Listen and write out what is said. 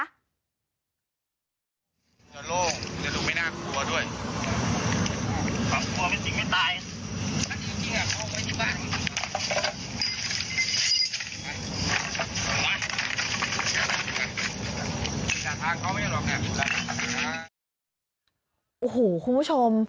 แต่ทางเขาไม่เหลือแหล่มอยู่แหล่มอยู่แหล่มอยู่